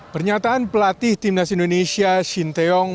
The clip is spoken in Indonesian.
pernyataan pelatih timnas indonesia shin taeyong